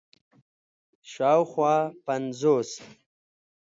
شاوخوا پنځوس